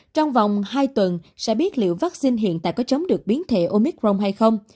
trong vòng hai tuần sẽ biết liệu vaccine hiện tại có chống được biến thể omicron hay không